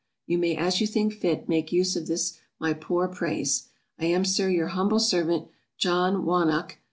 You may as you think fit, make use of this my poor praise. I am, SIR, your humble servant, JOHN WANNOCK.